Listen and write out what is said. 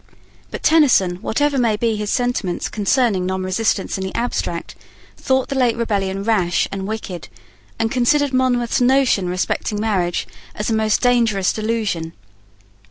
But Tenison, whatever might be his sentiments concerning nonresistance in the abstract, thought the late rebellion rash and wicked, and considered Monmouth's notion respecting marriage as a most dangerous delusion.